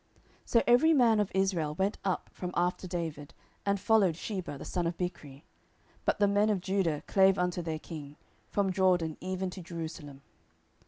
10:020:002 So every man of Israel went up from after David, and followed Sheba the son of Bichri: but the men of Judah clave unto their king, from Jordan even to Jerusalem.